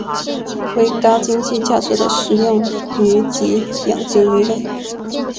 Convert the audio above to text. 为高经济价值的食用鱼及养殖鱼类。